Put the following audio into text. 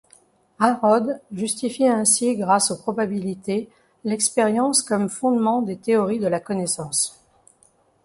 Harrod justifie ainsi grâce aux probabilités l'expérience comme fondement des théories de la connaissance.